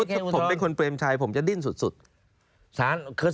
ถ้าผมเป็นคนเปรมชัยผมจะดิ้นสุด